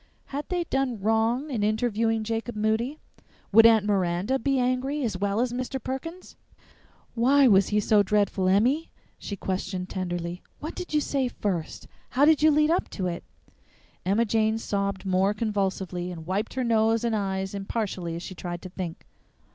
Had they done wrong in interviewing Jacob Moody? Would Aunt Miranda be angry, as well as Mr. Perkins? "Why was he so dreadful, Emmy?" she questioned tenderly. "What did you say first? How did you lead up to it?" Emma Jane sobbed more convulsively, and wiped her nose and eyes impartially as she tried to think.